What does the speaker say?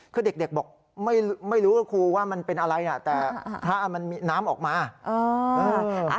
คือเด็กบอกไม่รู้กับครูว่ามันเป็นอะไรนะแต่ถ้ามันมีน้ำออกมา